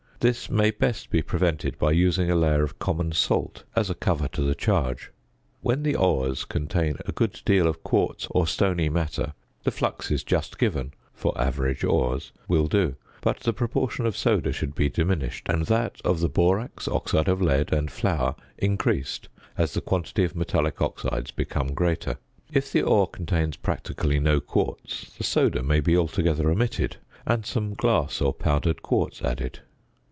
This may best be prevented by using a layer of common salt as a cover to the charge. When the ores contain a good deal of quartz or stony matter, the fluxes just given (for average ores) will do; but the proportion of soda should be diminished, and that of the borax, oxide of lead, and flour increased as the quantity of metallic oxides become greater. If the ore contains practically no quartz, the soda may be altogether omitted, and some glass or powdered quartz added.